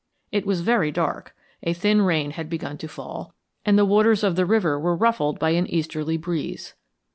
It was very dark; a thin rain had begun to fall, and the waters of the river were ruffled by an easterly breeze.